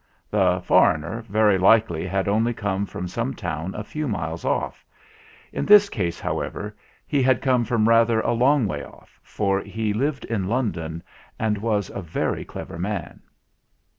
The "foreigner" very likely had only come from some town a few miles off. In this case, however, he had come from rather a long way off, for he lived in London and was a very clever man.